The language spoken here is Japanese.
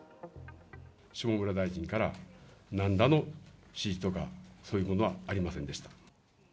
下村大臣から、なんらの指示とか、そういうものはありませんでした。